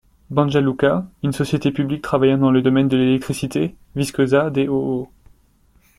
Banja Luka, une société publique travaillant dans le domaine de l'électricité, Viskoza d.o.o.